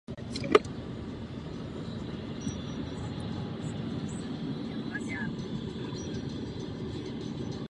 Vzducholoď Hindenburg získala své jméno na jeho počest.